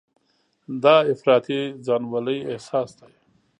دا افراطي ځانولۍ احساس دی.